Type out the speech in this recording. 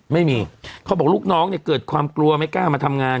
ไม่มีเขาบอกลูกน้องเนี่ยเกิดความกลัวไม่กล้ามาทำงาน